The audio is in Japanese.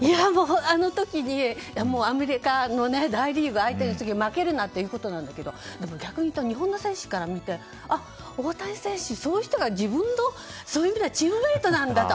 あの時にアメリカの大リーグ相手に負けるなということなんだけど逆に言うと日本の選手から見て、大谷選手そういう人が自分のチームメートなんだと。